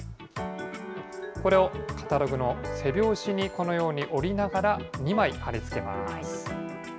これをカタログの背表紙に、このように折りながら２枚貼り付けます。